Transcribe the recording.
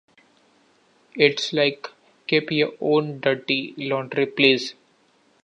It's like 'Keep your own dirty laundry, please'.